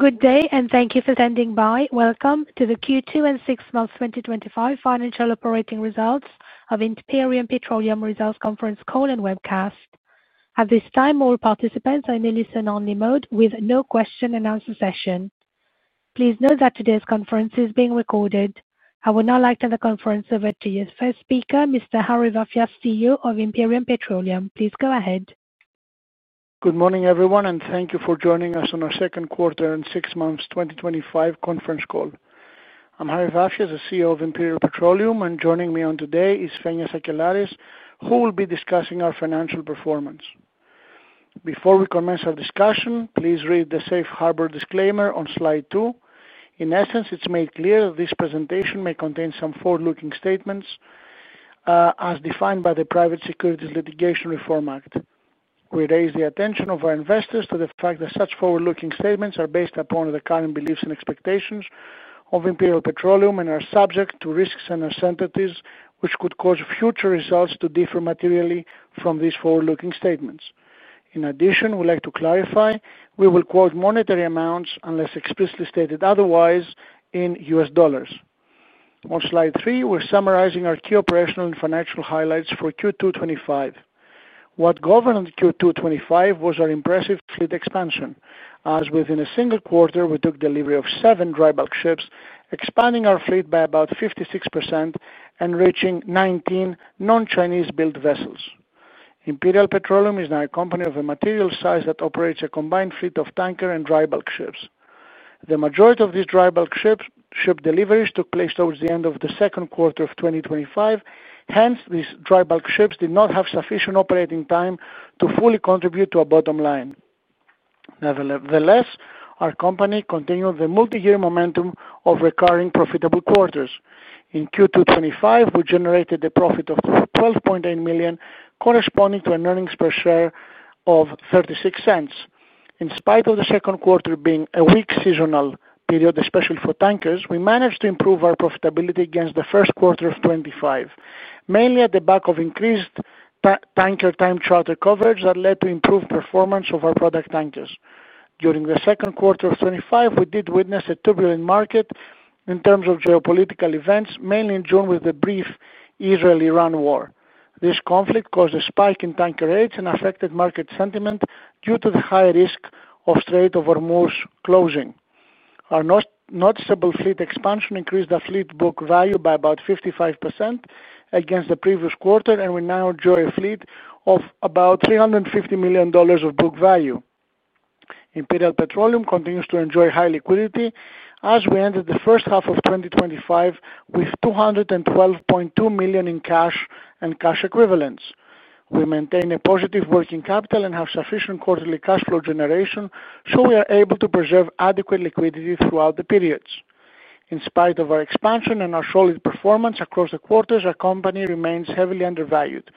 Good day and thank you for attending. Welcome to the Q2 and Six Months 2025 Financial Operating Results of Imperial Petroleum R esults Conference Call and Webcast. At this time, all participants are in a listen-only mode with no question and answer session. Please note that today's conference is being recorded. I would now like to turn the conference over to your first speaker, Mr. Harry Vafias, CEO of Imperial Petroleum. Please go ahead. Good morning, everyone, and thank you for joining us on our Second Quarter and Six Months 2025 Conference Call. I'm Harry Vafias, the CEO of Imperial Petroleum, and joining me today is Fenia Sakellaris, who will be discussing our financial performance. Before we commence our discussion, please read the safe harbor disclaimer on slide two. In essence, it's made clear that this presentation may contain some forward-looking statements, as defined by the Private Securities Litigation Reform Act. We raise the attention of our investors to the fact that such forward-looking statements are based upon the current beliefs and expectations of Imperial Petroleum and are subject to risks and incentives which could cause future results to differ materially from these forward-looking statements. In addition, we'd like to clarify we will quote monetary amounts unless explicitly stated otherwise in US dollars. On slide three, we're summarizing our key operational and financial highlights for Q2 2025. What governed Q2 2025 was our impressive fleet expansion, as within a single quarter, we took delivery of seven dry bulk ships, expanding our fleet by about 56% and reaching 19 non-Chinese-built vessels. Imperial Petroleum is now a company of a material size that operates a combined fleet of tanker and dry bulk ships. The majority of these dry bulk ship deliveries took place towards the end of the second quarter of 2025. Hence, these dry bulk ships did not have sufficient operating time to fully contribute to a bottom line. Nevertheless, our company continued the multi-year momentum of recurring profitable quarters. In Q2 2025, we generated a profit of $12.8 million, corresponding to an earnings per share of $0.36. In spite of the second quarter being a weak seasonal period, especially for tankers, we managed to improve our profitability against the first quarter of 2025, mainly at the back of increased tanker time charter coverage that led to improved performance of our product tankers. During the second quarter of 2025, we did witness a turbulent market in terms of geopolitical events, mainly in June, with the brief Israel-Iran War. This conflict caused a spike in tanker rates and affected market sentiment due to the high risk of trade over moors closing. Our noticeable fleet expansion increased the fleet book value by about 55% against the previous quarter, and we now enjoy a fleet of about $350 million of book value. Imperial Petroleum continues to enjoy high liquidity as we entered the first half of 2025 with $212.2 million in cash and cash equivalents. We maintain a positive working capital and have sufficient quarterly cash flow generation, so we are able to preserve adequate liquidity throughout the periods. In spite of our expansion and our solid performance across the quarters, our company remains heavily undervalued.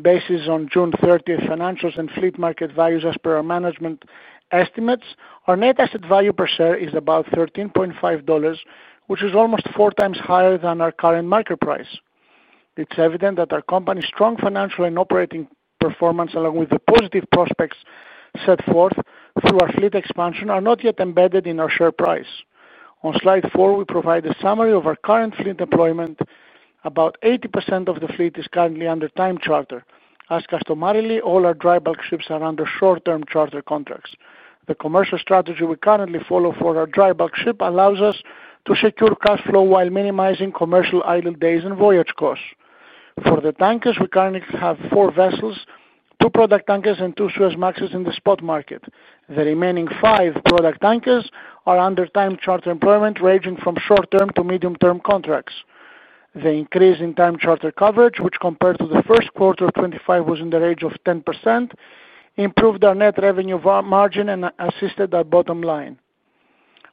Based on June 30 financials and fleet market values, as per our management estimates, our net asset value per share is about $13.5, which is almost four times higher than our current market price. It's evident that our company's strong financial and operating performance, along with the positive prospects set forth through our fleet expansion, are not yet embedded in our share price. On slide four, we provide a summary of our current fleet deployment. About 80% of the fleet is currently under time charter, as customarily all our dry bulk ships are under short-term charter contracts. The commercial strategy we currently follow for our dry bulk ship allows us to secure cash flow while minimizing commercial idle days and voyage costs. For the tankers, we currently have four vessels, two product tankers, and two Supramax in the spot market. The remaining five product tankers are under time charter employment, ranging from short-term to medium-term contracts. The increase in time charter coverage, which compared to the first quarter of 2025 was in the range of 10%, improved our net revenue margin and assisted our bottom line.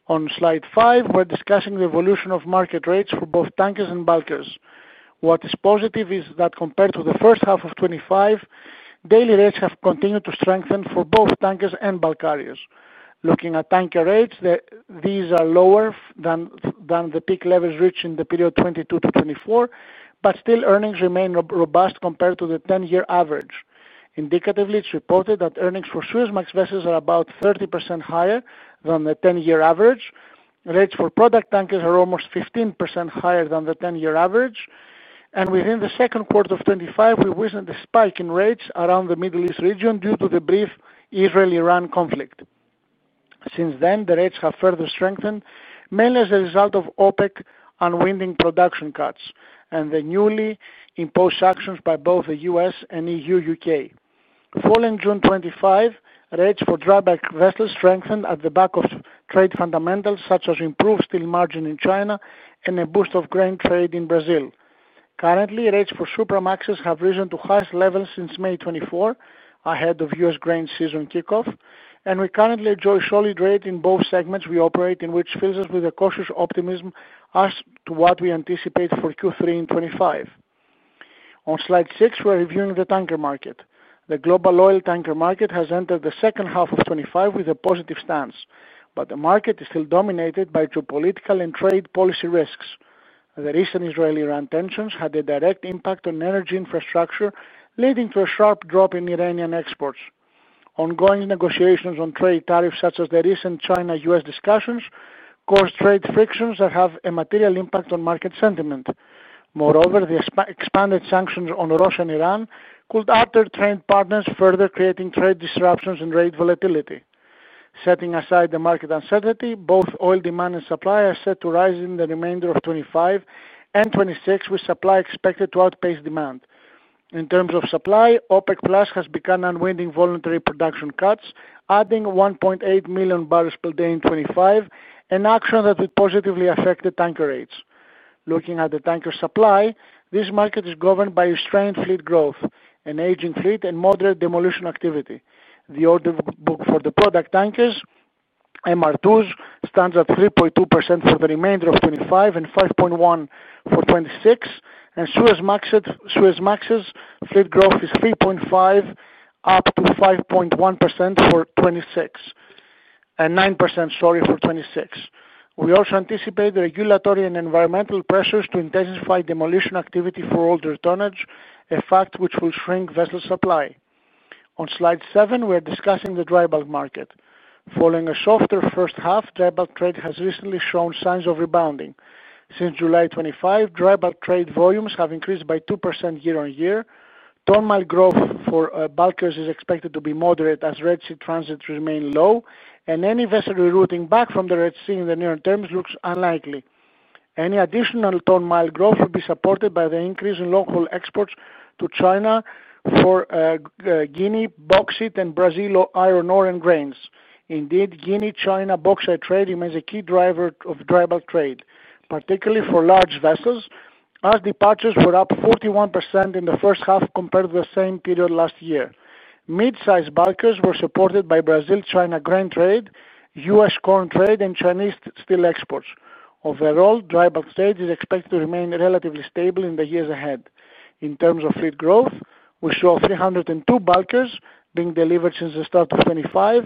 On slide five, we're discussing the evolution of market rates for both tankers and bulk carriers. What is positive is that compared to the first half of 2025, daily rates have continued to strengthen for both tankers and bulk carriers. Looking at tanker rates, these are lower than the peak levels reached in the period 2022 to 2024, but still earnings remain robust compared to the ten-year average. Indicatively, it's reported that earnings for Supramax vessels are about 30% higher than the ten-year average. Rates for product tankers are almost 15% higher than the ten-year average. Within the second quarter of 2025, we witnessed a spike in rates around the Middle East region due to the brief Israel-Iran conflict. Since then, the rates have further strengthened, mainly as a result of OPEC unwinding production cuts and the newly imposed sanctions by both the U.S. and EU U.K. The following June 25, rates for dry bulk vessels strengthened at the back of trade fundamentals such as improved steel margin in China and a boost of grain trade in Brazil. Currently, rates for Supramax have risen to harsh levels since May 24, ahead of U.S. grain season kickoff, and we currently enjoy solid rates in both segments we operate, which fills us with a cautious optimism as to what we anticipate for Q3 in 2025. On slide six, we're reviewing the tanker market. The global oil tanker market has entered the second half of 2025 with a positive stance, but the market is still dominated by geopolitical and trade policy risks. The recent Israel-Iran tensions had a direct impact on energy infrastructure, leading to a sharp drop in Iranian exports. Ongoing negotiations on trade tariffs, such as the recent China-U.S. discussions, cause trade frictions that have a material impact on market sentiment. Moreover, the expanded sanctions on Russia and Iran could alter trade partners, further creating trade disruptions and rate volatility. Setting aside the market uncertainty, both oil demand and supply are set to rise in the remainder of 2025 and 2026, with supply expected to outpace demand. In terms of supply, OPEC+ has begun unwinding voluntary production cuts, adding 1.8 million barrels per day in 2025, an action that would positively affect the tanker rates. Looking at the tanker supply, this market is governed by restrained fleet growth, an aging fleet, and moderate demolition activity. The order book for the product tankers, MR2s, stands at 3.2% for the remainder of 2025 and 5.1% for 2026, and Supramax fleet growth is 3.5% up to 5.1% for 2026 and 9% for 2026. We also anticipate regulatory and environmental pressures to intensify demolition activity for older tonnage, a fact which will shrink vessel supply. On slide seven, we are discussing the dry bulk market. Following a softer first half, dry bulk trade has recently shown signs of rebounding. Since July 2025, dry bulk trade volumes have increased by 2% year on year. Ton mile growth for bulk carriers is expected to be moderate as Red Sea transits remain low, and any vessel rerouting back from the Red Sea in the near term looks unlikely. Any additional ton mile growth would be supported by the increase in local exports to China for Guinea bauxite and Brazil iron ore and grains. Indeed, Guinea-China box trade remains a key driver of dry bulk trade, particularly for large vessels, as departures were up 41% in the first half compared to the same period last year. Mid-sized bulk carriers were supported by Brazil-China grain trade, U.S. corn trade, and Chinese steel exports. Overall, dry bulk trade is expected to remain relatively stable in the years ahead. In terms of fleet growth, we show 302 bulk carriers being delivered since the start of 2025.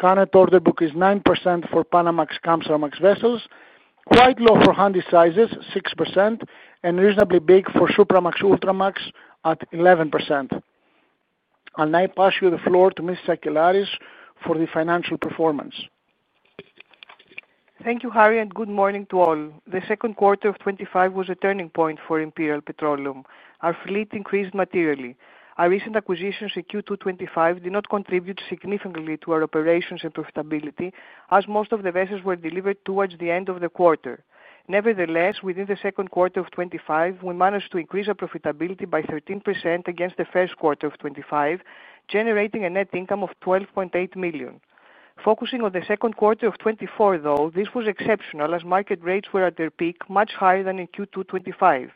Current order book is 9% for Panamax-Capesize vessels, quite low for handy sizes at 6%, and reasonably big for Supramax-Ultramax at 11%. I'll now pass you the floor to Ms. Sakellaris for the financial performance. Thank you, Harry, and good morning to all. The second quarter of 2025 was a turning point for Imperial Petroleum. Our fleet increased materially. Our recent acquisitions in Q2 2025 did not contribute significantly to our operations and profitability, as most of the vessels were delivered towards the end of the quarter. Nevertheless, within the second quarter of 2025, we managed to increase our profitability by 13% against the first quarter of 2025, generating a net income of $12.8 million. Focusing on the second quarter of 2024, though, this was exceptional as market rates were at their peak, much higher than in Q2 2025.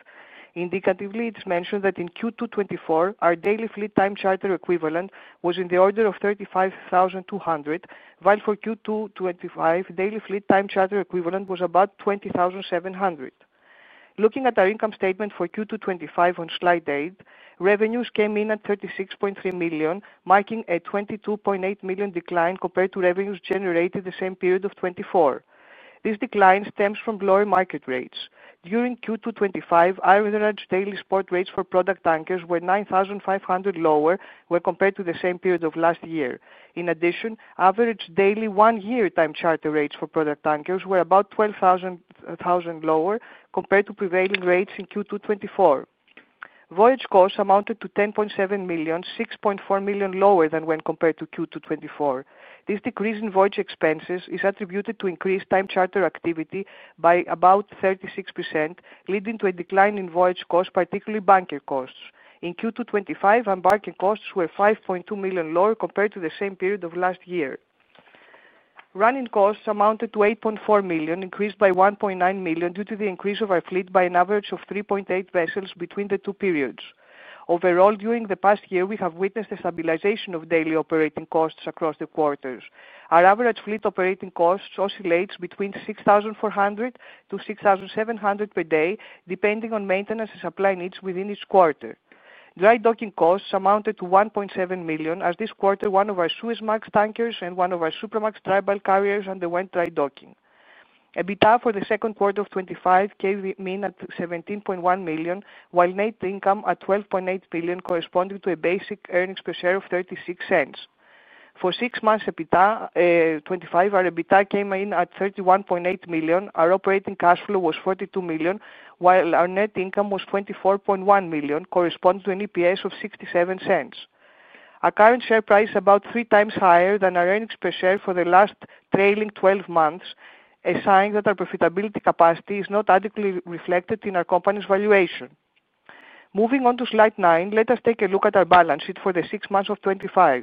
Indicatively, it's mentioned that in Q2 2024, our daily fleet time charter equivalent was in the order of $35,200, while for Q2 2025, daily fleet time charter equivalent was about $20,700. Looking at our income statement for Q2 2025 on slide eight, revenues came in at $36.3 million, marking a $22.8 million decline compared to revenues generated in the same period of 2024. This decline stems from lower market rates. During Q2 2025, average daily spot rates for product tankers were $9,500 lower when compared to the same period of last year. In addition, average daily one-year time charter rates for product tankers were about $12,000 lower compared to prevailing rates in Q2 2024. Voyage costs amounted to $10.7 million, $6.4 million lower than when compared to Q2 2024. This decrease in voyage expenses is attributed to increased time charter activity by about 36%, leading to a decline in voyage costs, particularly bunker costs. In Q2 2025, embarkation costs were $5.2 million lower compared to the same period of last year. Running costs amounted to $8.4 million, increased by $1.9 million due to the increase of our fleet by an average of 3.8 vessels between the two periods. Overall, during the past year, we have witnessed a stabilization of daily operating costs across the quarters. Our average fleet operating costs oscillate between $6,400- $6,700 per day, depending on maintenance and supply needs within each quarter. Dry docking costs amounted to $1.7 million, as this quarter one of our Suezmax tankers and one of our Supramax dry bulk carriers underwent dry docking. EBITDA for the second quarter of 2025 came in at $17.1 million, while net income at $12.8 million corresponded to a basic earnings per share of $0.36. For six months, EBITDA 2025, our EBITDA came in at $31.8 million. Our operating cash flow was $42 million, while our net income was $24.1 million, corresponding to an EPS of $0.67. Our current share price is about three times higher than our earnings per share for the last trailing 12 months, a sign that our profitability capacity is not adequately reflected in our company's valuation. Moving on to slide nine, let us take a look at our balance sheet for the six months of 2025.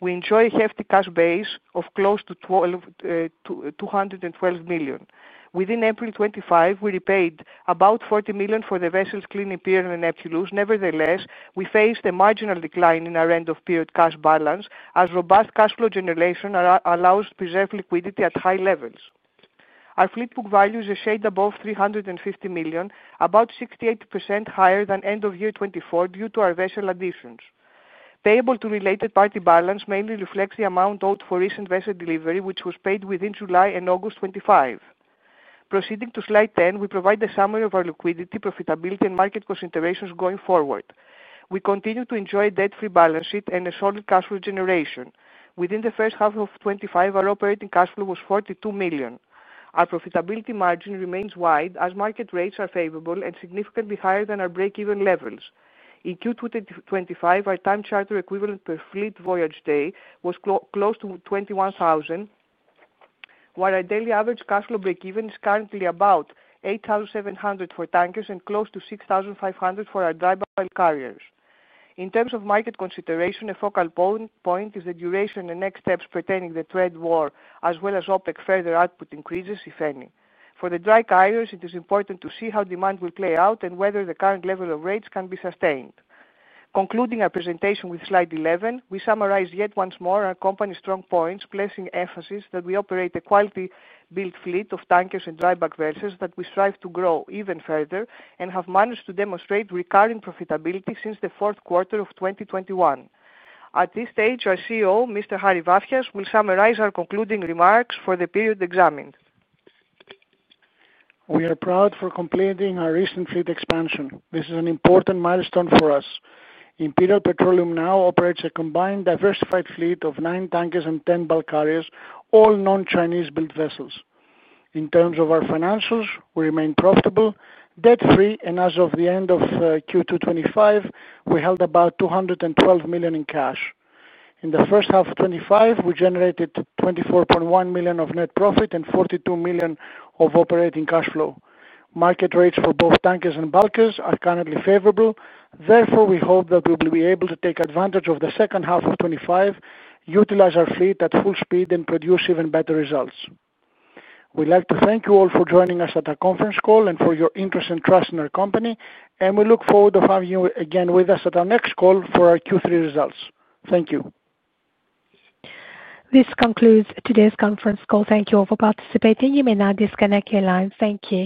We enjoy a hefty cash base of close to $212 million. Within April 2025, we repaid about $40 million for the vessels CLEAN IMPERIAL and NEPTULUS. Nevertheless, we faced a marginal decline in our end-of-period cash balance, as robust cash flow generation allows preserved liquidity at high levels. Our fleet book values are shaded above $350 million, about 68% higher than end-of-year 2024 due to our vessel additions. Payable to related party balance mainly reflects the amount owed for recent vessel delivery, which was paid within July and August 2025. Proceeding to slide 10, we provide a summary of our liquidity, profitability, and market considerations going forward. We continue to enjoy a debt-free balance sheet and a solid cash flow generation. Within the first half of 2025, our operating cash flow was $42 million. Our profitability margin remains wide as market rates are favorable and significantly higher than our break-even levels. In Q2 2025, our time charter equivalent per fleet voyage day was close to $21,000, while our daily average cash flow break-even is currently about $8,700 for tankers and close to $6,500 for our dry bulk carriers. In terms of market consideration, a focal point is the duration and next steps pertaining to the trade war, as well as OPEC further output increases, if any. For the dry carriers, it is important to see how demand will play out and whether the current level of rates can be sustained. Concluding our presentation with slide 11, we summarize yet once more our company's strong points, placing emphasis that we operate a quality-built fleet of tankers and dry bulk vessels that we strive to grow even further and have managed to demonstrate recurring profitability since the fourth quarter of 2021. At this stage, our CEO, Mr. Harry Vafias, will summarize our concluding remarks for the period examined. We are proud of completing our recent fleet expansion. This is an important milestone for us. Imperial Petroleum now operates a combined diversified fleet of nine tankers and ten bulk carriers, all non-Chinese-built vessels. In terms of our financials, we remain profitable, debt-free, and as of the end of Q2 2025, we held about $212 million in cash. In the first half of 2025, we generated $24.1 million of net profit and $42 million of operating cash flow. Market rates for both tankers and bulkers are currently favorable. Therefore, we hope that we will be able to take advantage of the second half of 2025, utilize our fleet at full speed, and produce even better results. We'd like to thank you all for joining us at our conference call and for your interest and trust in our company, and we look forward to having you again with us at our next call for our Q3 results. Thank you. This concludes today's conference call. Thank you all for participating. You may now disconnect your lines. Thank you.